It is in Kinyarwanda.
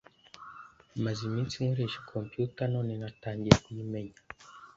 maze iminsi nkoresha computer none natangiye kuyimenya